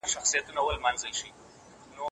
هغه د انګورو په خوړلو اخته دی.